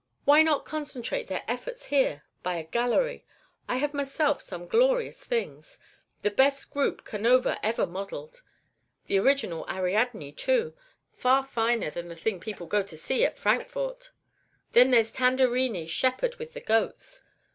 Why not concentrate their efforts here by a gallery? I have myself some glorious things, the best group Canova ever modelled; the original Ariadne too, far finer than the thing people go to see at Frankfort. Then there's Tanderini's Shepherd with the Goats.